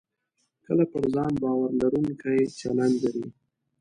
کله پر ځان باور لرونکی چلند لرئ